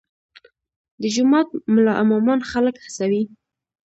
د جومات ملا امامان خلک هڅوي؟